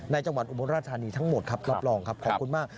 จังหวัดอุบลราชธานีทั้งหมดครับรับรองครับขอบคุณมาก